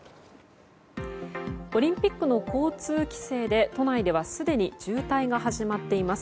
オリンピックの交通規制で都内ではすでに渋滞が始まっています。